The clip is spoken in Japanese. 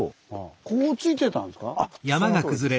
こうついてたんですか？